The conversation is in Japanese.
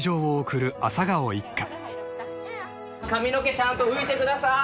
髪の毛ちゃんと拭いてください！